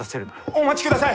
お待ちください！